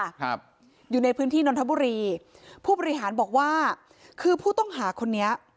ครับอยู่ในพื้นที่นนทบุรีผู้บริหารบอกว่าคือผู้ต้องหาคนนี้